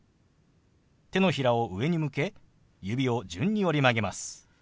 手のひらを上に向け指を順に折り曲げます。